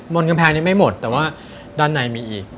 นกำแพงนี้ไม่หมดแต่ว่าด้านในมีอีก